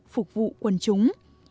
phục vụ quần chúng